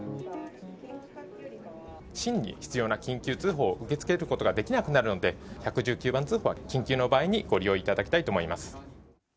真に必要な緊急通報を受け付けることができなくなるので、１１９番通報は緊急の場合にご利用いただきたいと思います。